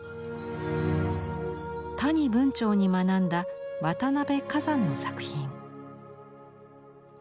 谷文晁に学んだ渡辺崋山の作品。